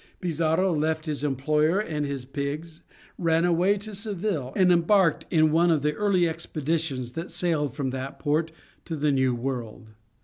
Pizarro left his employer and his pigs, ran away to Seville, and embarked in one of the early expeditions that sailed from that port to the New World.